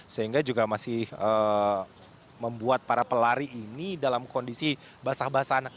sehingga juga masih membuat para pelari ini dalam kondisi basah basah